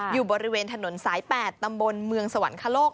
อยู่บริเวณถนนสาย๘ตำบลเมืองสวรรคโลก